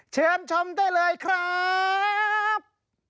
เชิญชมได้เลยครับ